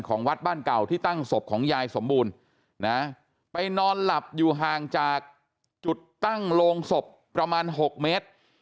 วัดบ้านเก่าที่ตั้งศพของยายสมบูรณ์นะไปนอนหลับอยู่ห่างจากจุดตั้งโรงศพประมาณ๖เมตร